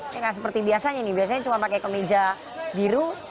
ya nggak seperti biasanya nih biasanya cuma pakai kemeja biru